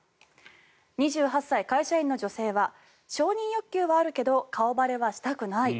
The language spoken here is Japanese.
２８歳、会社員の女性は承認欲求はあるけど顔バレはしたくない。